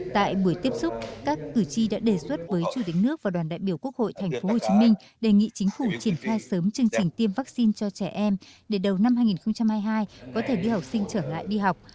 tại buổi tiếp xúc các cử tri đã đề xuất với chủ tịch nước và đoàn đại biểu quốc hội tp hcm đề nghị chính phủ triển khai sớm chương trình tiêm vaccine cho trẻ em để đầu năm hai nghìn hai mươi hai có thể đưa học sinh trở lại đi học